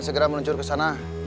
segera meluncur kesana